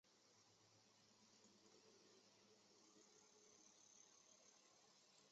贝冢车站共用的铁路车站。